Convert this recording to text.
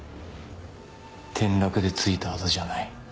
転落でついたアザじゃない。